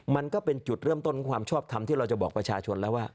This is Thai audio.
มันก็เป็นจุดเริ่มต้นของความชอบทำที่เราจะบอกประชาชนแล้วว่า